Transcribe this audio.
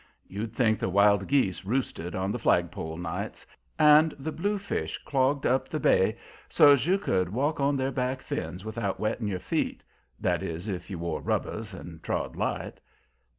You'd think the wild geese roosted on the flagpole nights, and the bluefish clogged up the bay so's you could walk on their back fins without wetting your feet that is, if you wore rubbers and trod light.